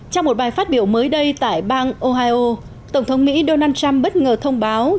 trong một bài phát biểu mới đây tại bang ohio tổng thống mỹ donald trump bất ngờ thông báo